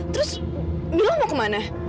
terus milo mau ke mana